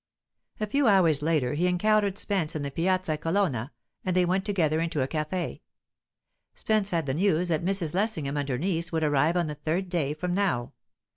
A few hours later, he encountered Spence in the Piazza Colonna, and they went together into a caffe. Spence had the news that Mrs. Lessingham and her niece would arrive on the third day from now.